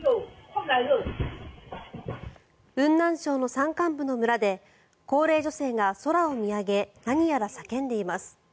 雲南省の山間部の村で高齢女性が空を見上げ何やら叫んでいます。